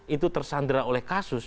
itu tersandera oleh kasus